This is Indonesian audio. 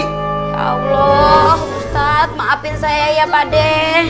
insya allah ustadz maafin saya ya pak de